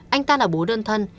anh ta là bố đơn thân